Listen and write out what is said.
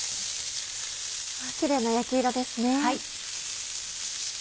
キレイな焼き色ですね。